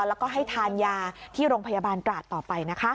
แล้วก็ให้ทานยาที่โรงพยาบาลตราดต่อไปนะคะ